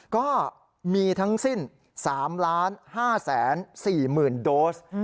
ก็มีทั้งสิ้น๓๕๔๐๐๐โดส